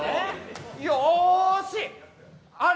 よーし、あれ？